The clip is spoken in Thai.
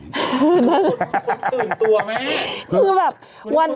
คุณตื่นตัวไหม